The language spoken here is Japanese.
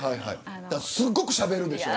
すごくしゃべるでしょ。